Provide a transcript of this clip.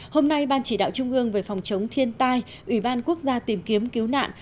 hôm nay ban chỉ đạo trung ương về phòng chống thiên tai ủy ban quốc gia tìm kiếm cứu nạn